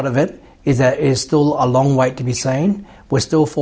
kita masih menanggung beberapa jenis jalan jalanan dan pengembangan lingkungan kita